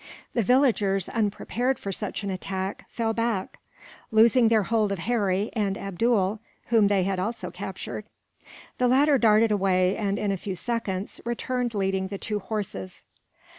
The villagers, unprepared for such an attack, fell back; losing their hold of Harry, and Abdool, whom they had also captured. The latter darted away and, in a few seconds, returned leading the two horses.